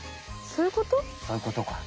そういうことか。